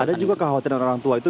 ada juga kekhawatiran orang tua itu